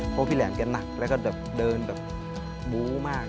เพราะพี่แหลมเกินหนักแล้วเขาเดินอย่างบู้อย้างมาก